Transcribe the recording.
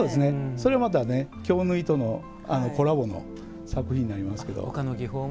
これは、他の技法とのコラボの作品になりますけど。